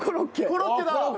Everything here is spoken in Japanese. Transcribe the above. コロッケだ！